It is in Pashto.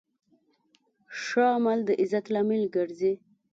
ښه عمل د عزت لامل ګرځي.